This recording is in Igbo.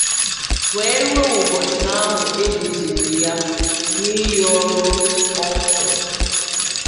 wee ruo ụbọchị ahụ e dùzịrị ya n'iyi ọrụ kpọnkwem.